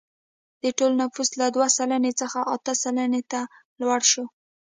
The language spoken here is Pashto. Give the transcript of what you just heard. د ټول نفوس له دوه سلنې څخه اته سلنې ته لوړ شو.